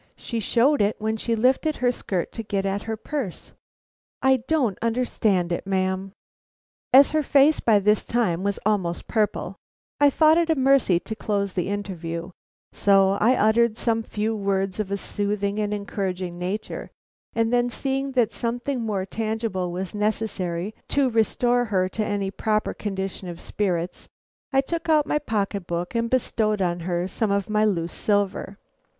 She showed it when she lifted her skirt to get at her purse. I don't understand it, ma'am." As her face by this time was almost purple, I thought it a mercy to close the interview; so I uttered some few words of a soothing and encouraging nature, and then seeing that something more tangible was necessary to restore her to any proper condition of spirits, I took out my pocket book and bestowed on her some of my loose silver.